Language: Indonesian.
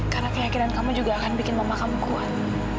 karena keyakinan kamu juga akan bikin mama kamu kuat